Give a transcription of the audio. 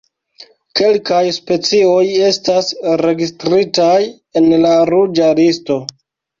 Kelkaj specioj estas registritaj en la Ruĝa listo.